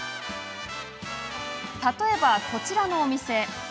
例えば、こちらのお店。